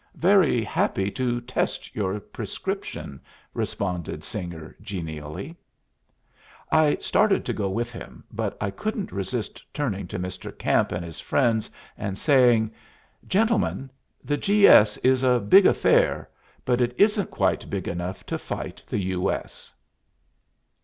"Very happy to test your prescription," responded Singer, genially. I started to go with him, but I couldn't resist turning to Mr. Camp and his friends and saying, "Gentlemen, the G. S. is a big affair, but it isn't quite big enough to fight the U. S."